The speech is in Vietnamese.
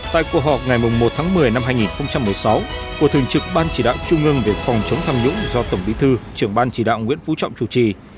tại cuộc họp ngày một tháng một mươi năm hai nghìn một mươi sáu của thường trực ban chỉ đạo trung ương về phòng chống tham nhũng do tổng bí thư trưởng ban chỉ đạo nguyễn phú trọng chủ trì